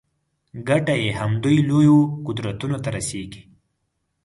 ګټه یې همدوی لویو قدرتونو ته رسېږي.